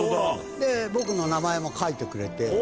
で僕の名前も書いてくれて。